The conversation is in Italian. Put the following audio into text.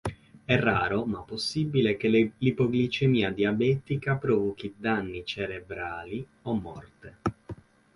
È raro ma possibile che l'ipoglicemia diabetica provochi danni cerebrali o morte.